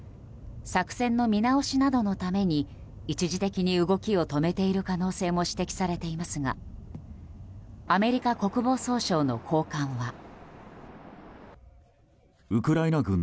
作戦の見直しなどのために一時的に動きを止めている可能性も指摘されていますがアメリカ国防総省の高官は。